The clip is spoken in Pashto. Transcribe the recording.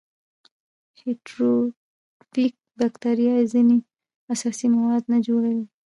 هیټروټروفیک باکتریاوې ځینې اساسي مواد نه جوړوي.